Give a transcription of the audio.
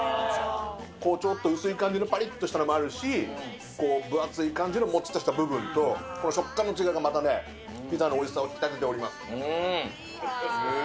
ちょっと薄い感じのぱりっとした感じのもあるし、分厚い感じの、もちっとした部分と、この食感の違いがまたね、ピザのおいしさをうわー。